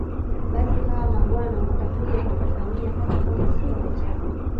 Basi hawa mabwana watakuja kukufanyia hata kama si mwanachama